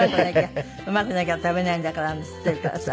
「うまくなきゃ食べないんだから」なんて言ってるからさ。